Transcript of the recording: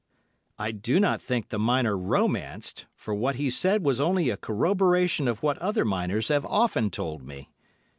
I do not think the miner romanced, for what he said was only a corroboration of what other miners have often told me.